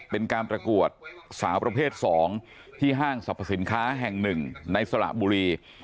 เป็นการประกวดสาวประเภท๒ที่ห้างสรรพสินค้าแห่งหนึ่งในสระบุรี